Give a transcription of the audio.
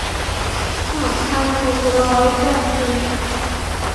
สามพันหกร้อยแปดสิบ